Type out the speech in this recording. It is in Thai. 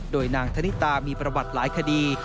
โดยนางธนิตามีประวัติหลายคดี